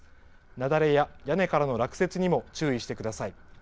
雪崩や屋根からの落雪にも、注意してください。